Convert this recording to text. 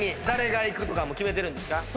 誰がいくとか決めてるんですか？